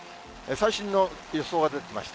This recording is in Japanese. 最新の予想が出てきました。